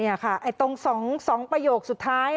นี่ค่ะตรง๒ประโยคสุดท้าย